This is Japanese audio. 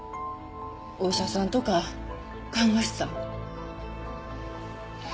お医者さんとか看護師さん？